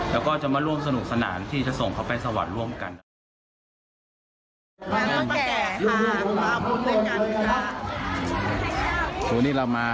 แล้วก็จะมาร่วมสนุกสนานที่จะส่งเขาไปสวรรค์ร่วมกันนะครับ